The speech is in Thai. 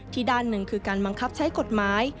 ด้านหนึ่งคือการบังคับใช้กฎหมาย